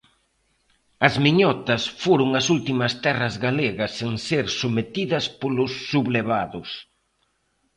As miñotas foron as últimas terras galegas en ser sometidas polos sublevados.